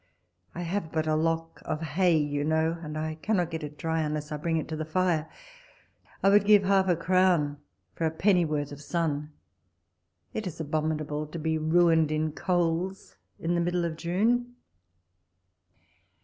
I have but a lock of hay, you know, and I cannot get it dry, unless I bring it to the fire. I would give half a crown for a pennyworth of sun. It is abominable to be ruined in coals in the middle of June.